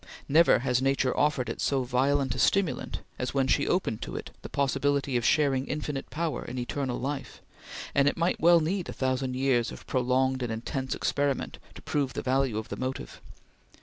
Never has Nature offered it so violent a stimulant as when she opened to it the possibility of sharing infinite power in eternal life, and it might well need a thousand years of prolonged and intense experiment to prove the value of the motive.